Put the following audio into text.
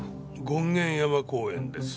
権現山公園です。